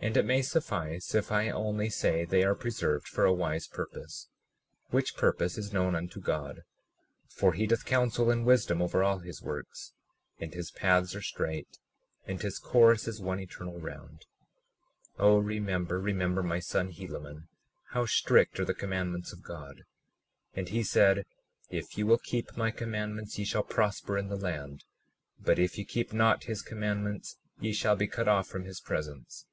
37:12 And it may suffice if I only say they are preserved for a wise purpose, which purpose is known unto God; for he doth counsel in wisdom over all his works, and his paths are straight, and his course is one eternal round. 37:13 O remember, remember, my son Helaman, how strict are the commandments of God. And he said: If ye will keep my commandments ye shall prosper in the land—but if ye keep not his commandments ye shall be cut off from his presence.